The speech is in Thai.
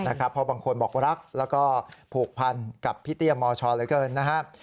เพราะบางคนบอกรักแล้วก็ผูกพันกับพี่เตี้ยมชเหลือเกินนะครับ